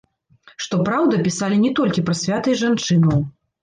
Што праўда, пісалі не толькі пра свята і жанчынаў.